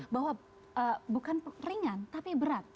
bahwa bukan ringan tapi berat